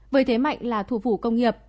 với thế mạnh là thủ phủ công nghiệp